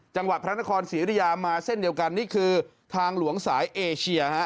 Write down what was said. จังหวัดพระนครศรีอยุธยามาเส้นเดียวกันนี่คือทางหลวงสายเอเชียฮะ